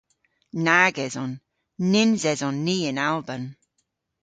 Nag eson. Nyns eson ni yn Alban.